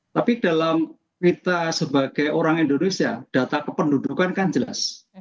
tapi dalam kita sebagai orang indonesia data kependudukan kan jelas